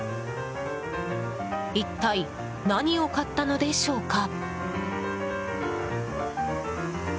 一体、何を買ったのでしょうか。